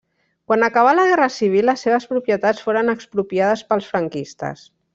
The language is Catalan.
Quan acabà la guerra civil les seves propietats foren expropiades pels franquistes.